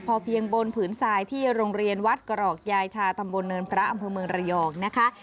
พอเพียงบนผืนทรายที่โรงเรียนวัดกรอกยายชาตำบลเนินพระอำเภอเมืองระยองนะคะ